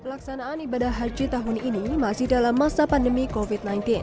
pelaksanaan ibadah haji tahun ini masih dalam masa pandemi covid sembilan belas